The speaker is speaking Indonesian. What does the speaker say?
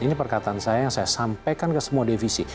ini perkataan saya yang saya sampaikan ke semua divisi